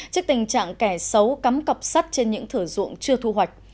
trước tình trạng kẻ xấu cắm cọc sắt trên những thử dụng chưa thu hoạch